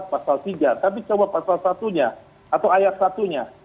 tadi pak zubedil melihat pasal tiga tapi coba pasal satunya atau ayat satunya